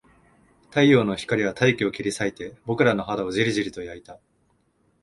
太陽の光は大気を切り裂いて、僕らの肌をじりじりと焼いた